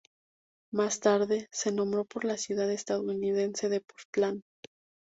Más tarde, se nombró por la ciudad estadounidense de Portland.